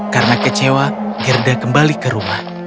karena kecewa gerda kembali ke rumah